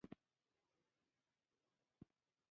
په افغانستان کې بېلابېل ځمکني شکلونه په پوره ډول شتون لري.